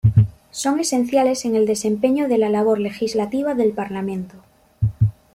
Son esenciales en el desempeño de la labor legislativa del Parlamento.